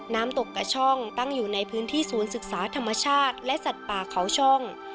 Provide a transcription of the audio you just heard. น้ำตกกระช่องตั้งอยู่ในพื้นที่ศูนย์ศึกษาธรรมชาติและสัตว์ป่าเขาช่อง